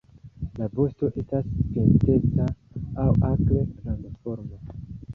La vosto estas pinteca aŭ akre rondoforma.